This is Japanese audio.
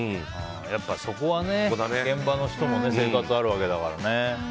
やっぱそこはね、現場の人も生活あるわけだからね。